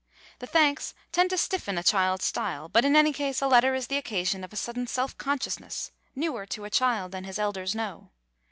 The thanks tend to stiffen a child's style; but in any case a letter is the occasion of a sudden self consciousness, newer to a child than his elders know.